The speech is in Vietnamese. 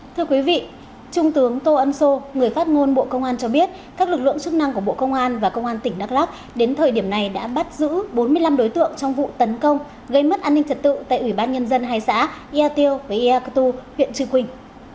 thưa quý vị trung tướng tô ân sô người phát ngôn bộ công an cho biết các lực lượng chức năng của bộ công an và công an tỉnh đắk lắc đến thời điểm này đã bắt giữ bốn mươi năm đối tượng trong vụ tấn công gây mất an ninh trật tự tại ủy ban nhân dân hai xã yà tiêu và ia cơ tu huyện chư quỳnh